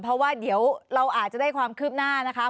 เพราะว่าเดี๋ยวเราอาจจะได้ความคืบหน้านะคะ